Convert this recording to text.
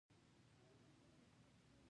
دا څېړنې په دې برخه کې شوي دي.